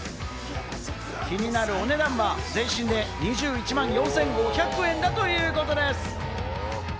気になるお値段は、全身で２１万４５００円だということです。